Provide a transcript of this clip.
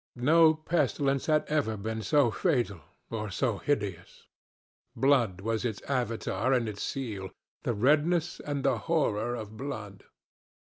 No pestilence had ever been so fatal, or so hideous. Blood was its Avatar and its seal—the redness and the horror of blood.